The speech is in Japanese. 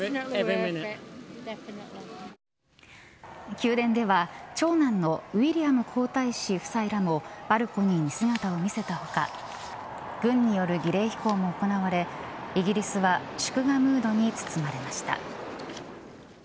宮殿では長男のウィリアム皇太子夫妻らもバルコニーに姿を見せた他軍による儀礼飛行も行われイギリスは祝賀ムードに包まれました。